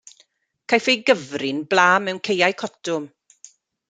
Caiff ei gyfri'n bla mewn caeau cotwm.